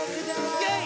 イェイ！